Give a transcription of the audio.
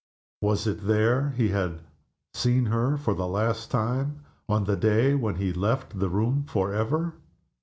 Was it there he had seen her for the last time, on the day when he left the room forever?